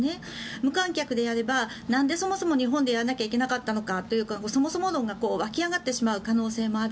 無観客でやればなんでそもそも日本でやらなきゃいけなかったんだろうとかそもそも論が沸き上がってしまう可能性もある。